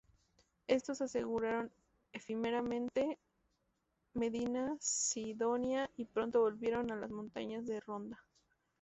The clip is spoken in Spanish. Estos aseguraron efímeramente Medina Sidonia y pronto volvieron a las montañas de Ronda.